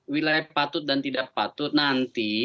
wilayah patut dan tidak patut nanti